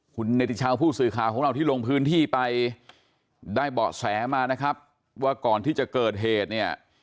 คุณเนติชาวผู้สื่อข่าวของเราที่ลงพื้นที่ไปได้เบาะแสมานะครับว่าก่อนที่จะเกิดเหตุเนี่ย